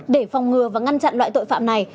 để phòng ngừa và ngăn chặn loại tội phạm này